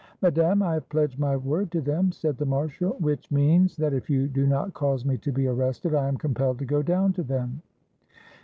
"Madame, I have pledged my word to them," said the marshal. "Which means —" "That if you do not cause me to be arrested, I am compelled to go down to them."